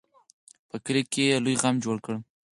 په کلي کې یې لوی غم جوړ کړ.